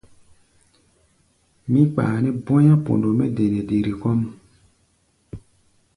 Mí kpaa nɛ́ bɔ̧́í̧á̧ pondo mɛ́ de nɛ dere kɔ́ʼm.